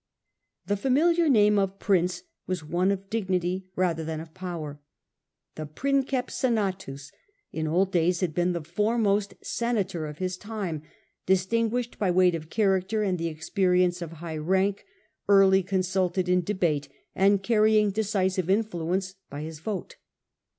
The familiar name of prince was one of dignity rather than of power. The 'princeps senatus' in old days had been the foremost senator of his time, distinguished by weight of character and the experience of high rank, early consulted in debate, and carrying decisive influence by his vote.